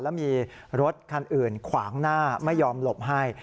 แล้วมีรถคันอื่นขวางหน้าไม่ยอมหลบให้